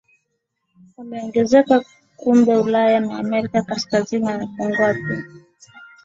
wameongezeka kumbe Ulaya na Amerika Kaskazini wamepungua Pew